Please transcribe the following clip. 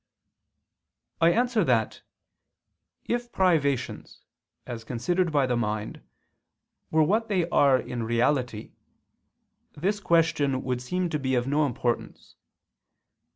I answer that, If privations, as considered by the mind, were what they are in reality, this question would seem to be of no importance.